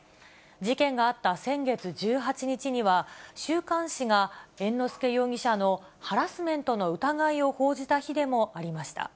事件があった先月１８日には、週刊誌が猿之助容疑者のハラスメントの疑いを報じた日でもありました。